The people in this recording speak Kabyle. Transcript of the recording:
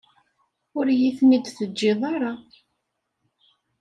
Ur iyi-ten-id-teǧǧiḍ ara.